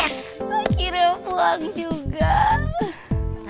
akhirnya pulang juga